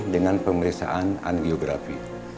dengan pemeriksaan angiografi